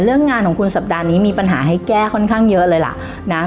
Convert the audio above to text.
เรื่องงานของคุณสัปดาห์นี้มีปัญหาให้แก้ค่อนข้างเยอะเลยล่ะนะ